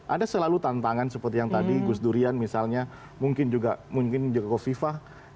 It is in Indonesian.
ada selalu tantangan seperti yang tadi gus durian misalnya mungkin juga mungkin kofifah